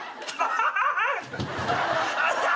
ハハハ。